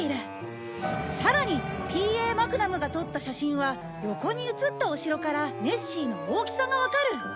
さらにＰ・Ａ・マグナブが撮った写真は横に写ったお城からネッシーの大きさがわかる。